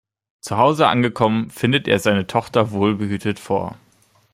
Zuhause angekommen findet er seine Tochter wohlbehütet vor.